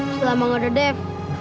selama gak ada dev